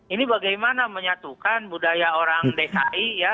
ini bagaimana menyatukan budaya orang dki ya